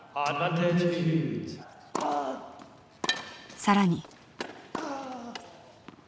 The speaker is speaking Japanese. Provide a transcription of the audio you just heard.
更に。